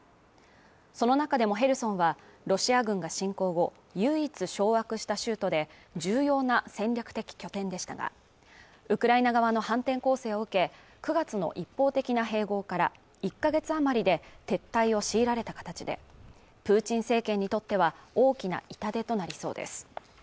その中でもヘルソンはロシア軍が侵攻後唯一掌握した州都で重要な戦略的拠点でしたがウクライナ側の反転攻勢を受け９月の一方的な併合から１か月余りで撤退を強いられた形でプーチン政権にとっては大きな痛手となりそうです